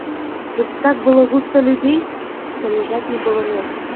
Тут так было густа людзей, што ляжаць не было месца.